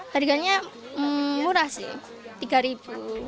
harganya murah sih rp tiga